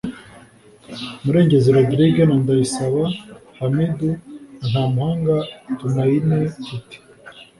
Murengezi Rodrigue na Ndayisaba Hamidou na Ntamuhanga Thumaine Tity